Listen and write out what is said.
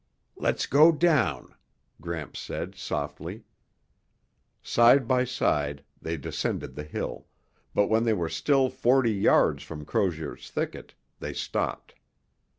"Let's go down," Gramps said softly. Side by side they descended the hill, but when they were still forty yards from Crozier's thicket, they stopped.